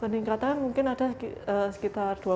peningkatan mungkin ada sekitar dua puluh